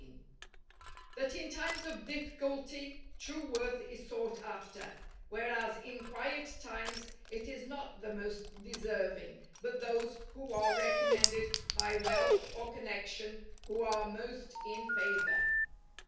—_That in Times of Difficulty true Worth is sought after; whereas in quiet Times it is not the most deserving, but those who are recommended by Wealth or Connection who are most in favour.